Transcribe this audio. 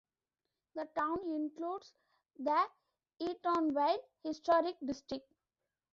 The town includes the Eatonville Historic District.